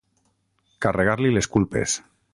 Carregar-li les culpes.